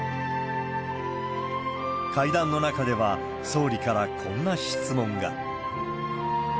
会談の中では、総理からこんな質問が。